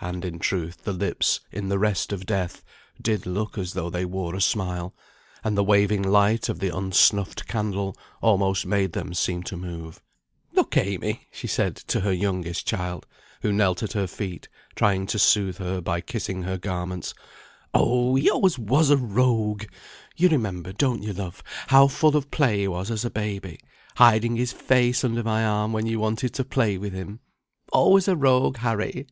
And, in truth, the lips, in the rest of death, did look as though they wore a smile, and the waving light of the unsnuffed candle almost made them seem to move. "Look, Amy," said she to her youngest child, who knelt at her feet, trying to soothe her, by kissing her garments. "Oh, he was always a rogue! You remember, don't you, love? how full of play he was as a baby; hiding his face under my arm, when you wanted to play with him. Always a rogue, Harry!"